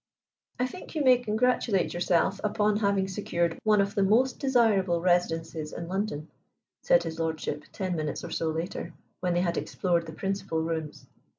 "I think you may congratulate yourself upon having secured one of the most desirable residences in London," said his lordship ten minutes or so later, when they had explored the principal rooms.